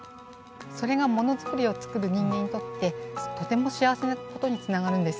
それがものづくりを作る人間にとってとても幸せなことにつながるんです。